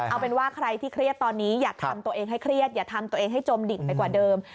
เอาเป็นว่าใครที่เครียดตอนนี้อย่าทำตัวเองให้เครียดอย่าทำตัวเองให้จมดิ่งไปกว่าเดิม